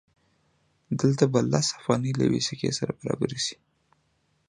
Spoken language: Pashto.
دلته به لس افغانۍ له یوې سکې سره برابرې شي